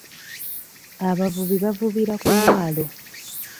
Abavubi bavubira ku mwalo.